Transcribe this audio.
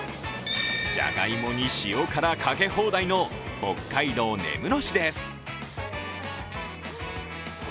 じゃがいもに塩辛かけ放題の北海道根室市です。